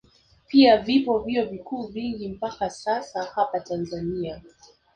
Pia vipo vyuo viku vingi mpaka sasa hapa Tanzania